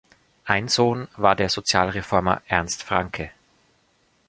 Ein Sohn war der Sozialreformer Ernst Francke.